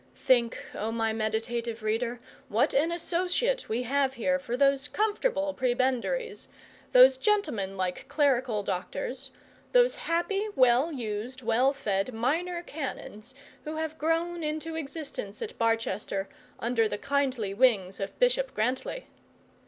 Think, oh, my meditative reader, what an associate we have here for those comfortable prebendaries, those gentlemanlike clerical doctors, those happy well used, well fed minor canons, who have grown into existence at Barchester under the kindly wings of Bishop Grantly!